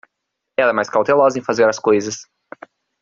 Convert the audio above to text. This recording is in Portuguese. Ela é mais cautelosa em fazer as coisas.